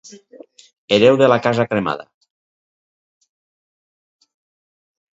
Hereu de la casa cremada.